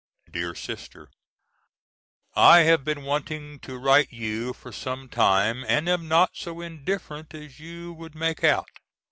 DEAR SISTER: I have been wanting to write you for some time and am not so indifferent as you would make out.